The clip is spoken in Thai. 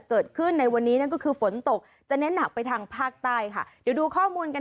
เกิดขึ้นในวันนี้นั่นก็คือฝนตกจะเน้นหนักไปทางภาคใต้ค่ะเดี๋ยวดูข้อมูลกัน